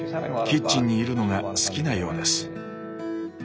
キッチンにいるのが好きなようです。